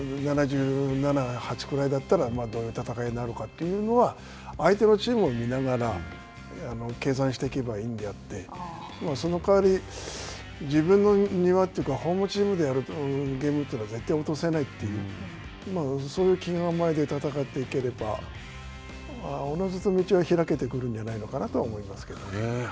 ７７、８ぐらいだったらどういう戦いになるかというのは、相手のチームを見ながら計算していけばいいのであって、そのかわり、自分の庭というか、ホームチームでやるゲームは絶対に落とせないというそういう気構えで戦っていければ、おのずと道は開けてくるんじゃないのかなと思いますけどね。